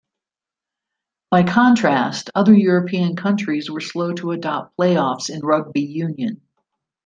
By contrast, other European countries were slow to adopt playoffs in rugby union.